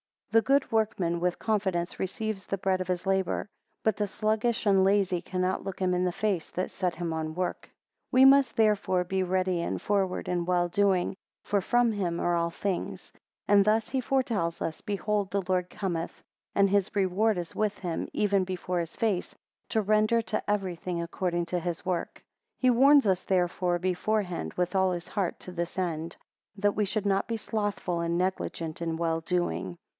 THE good workman with confidence receives the bread of his labour; but the sluggish and lazy cannot look him in the face that set him on work. 2 We must therefore be ready and forward in well doing: for from him are all things. 3 And thus he foretells us, behold the Lord cometh, and his reward is with him, even before his face, to render to everyone according to his work. 4 He warns us therefore beforehand, with all his heart to this end, that we should not be slothful and negligent in well doing.